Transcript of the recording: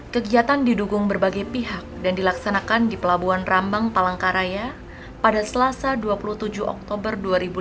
kegiatan didukung berbagai pihak dan dilaksanakan di pelabuhan rambang palangkaraya pada selasa dua puluh tujuh oktober dua ribu lima belas